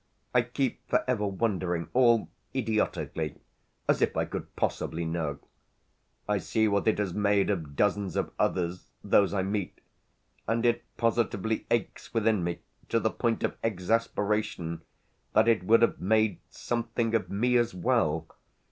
I keep for ever wondering, all idiotically; as if I could possibly know! I see what it has made of dozens of others, those I meet, and it positively aches within me, to the point of exasperation, that it would have made something of me as well.